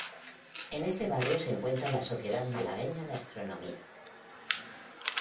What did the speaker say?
En este barrio se encuentra la Sociedad Malagueña de Astronomía.